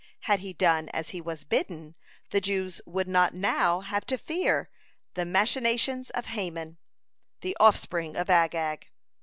Had he done as he was bidden, the Jews would not now have to fear the machinations of Haman, the offspring of Agag.